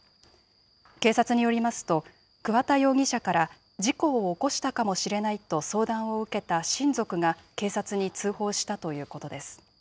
警察によりますと、桑田容疑者から事故を起こしたかもしれないと相談を受けた親族が警察に通報したということです。